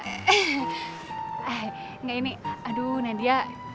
engga ini aduh nadia